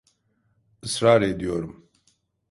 Israr ediyorum.